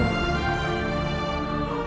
harga dana raden